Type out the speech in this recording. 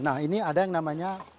nah ini ada yang namanya